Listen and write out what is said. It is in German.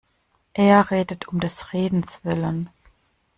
Er redet um des Redens Willen.